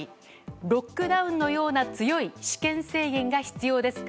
ロックダウンのような強い私権制限が必要ですか？